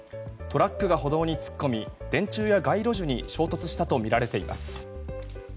トラックが歩道に突っ込み電柱や街路樹に衝突したとみられています。